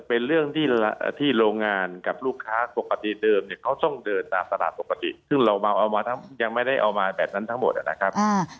เป็นเรื่องที่โรงงานกับลูกค้าปกติเดิมเนี่ยเขาต้องเดินตามตลาดปกติซึ่งเราเอามายังไม่ได้เอามาแบบนั้นทั้งหมดนะครับ